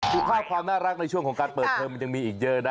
คือภาพความน่ารักในช่วงของการเปิดเทอมมันยังมีอีกเยอะนะ